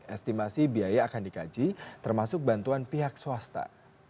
estimasi biaya akan dikaji termasuk bantuan pihak swasta